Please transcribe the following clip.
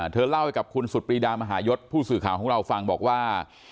เธอเล่าให้กับคุณสุดปรีดามหายศผู้สื่อข่าวของเราฟังบอกว่า